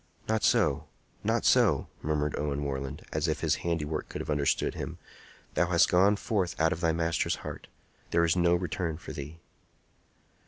"Not so! not so!" murmured Owen Warland, as if his handiwork could have understood him. "Thou has gone forth out of thy master's heart. There is no return for thee."